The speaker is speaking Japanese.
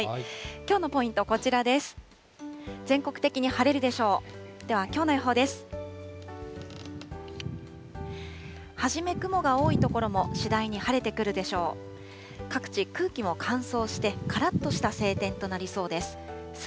きょうのポイント、こちらです。